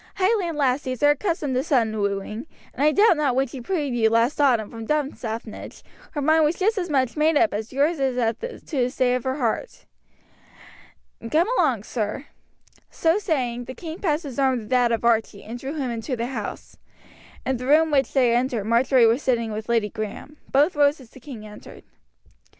"Highland lassies are accustomed to sudden wooing, and I doubt not that when she freed you last autumn from Dunstaffnage her mind was just as much made up as yours is as to the state of her heart. Come along, sir." So saying, the king passed his arm through that of Archie, and drew him into the house. In the room which they entered Marjory was sitting with Lady Graham. Both rose as the king entered.